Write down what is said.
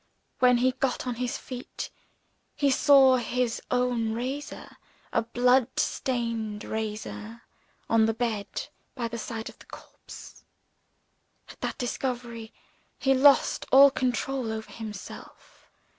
When he got on his feet, he saw his own razor a blood stained razor on the bed by the side of the corpse. At that discovery, he lost all control over himself.